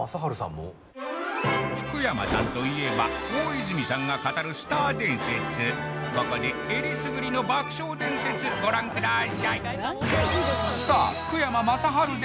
福山さんといえば大泉さんが語るスター伝説ここでえりすぐりの爆笑伝説ご覧ください